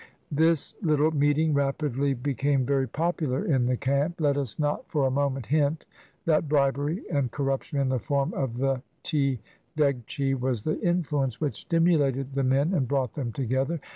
This little meeting rapidly became very popular in the camp. Let us not for a moment hint that bribery and corruption in the form of the tea degchee was the influence which stimulated the men and brought them together.